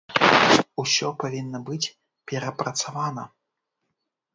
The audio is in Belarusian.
Усё павінна быць перапрацавана.